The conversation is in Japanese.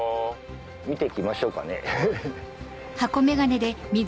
見ていきましょうかね。